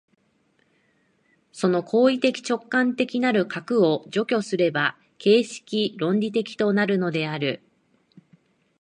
その行為的直観的なる核を除去すれば形式論理的となるのである。